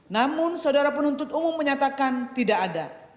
namun saudara penuntut umum menyatakan tidak ada